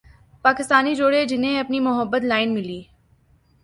پاکستانی جوڑے جنھیں اپنی محبت لائن ملی